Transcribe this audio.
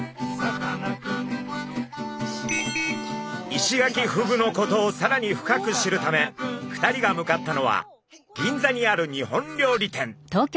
イシガキフグのことをさらに深く知るため２人が向かったのは銀座にある日本料理店。